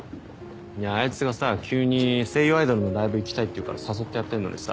いやあいつがさ急に声優アイドルのライブ行きたいって言うから誘ってやってんのにさ。